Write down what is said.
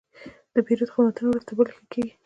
د پیرود خدمتونه ورځ تر بلې ښه کېږي.